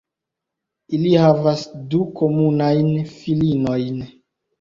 Ili havas du komunajn filinojn.